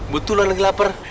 betul lah lagi lapar